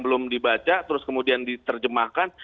belum dibaca terus kemudian diterjemahkan